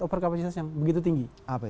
overcapacitas yang begitu tinggi